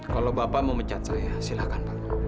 kalau bapak mau mencat saya silahkan